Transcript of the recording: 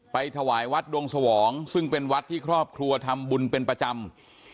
ถวายวัดดงสวองซึ่งเป็นวัดที่ครอบครัวทำบุญเป็นประจำ